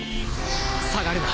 下がるな！